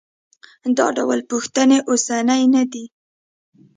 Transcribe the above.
دا ډول پوښتنې اوسنۍ نه دي.